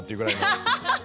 アハハハハ！